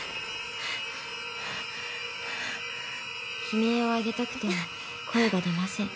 ［悲鳴を上げたくても声が出ません］